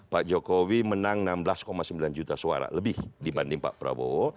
pak jokowi menang enam belas sembilan juta suara lebih dibanding pak prabowo